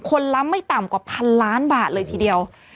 คนละไม่ต่ำกว่าพันล้านบาทเลยทีเดียว